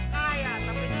tidak berapa tidak berapa